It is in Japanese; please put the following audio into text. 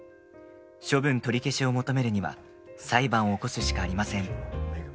処分取り消しを求めるには裁判を起こすしかありません。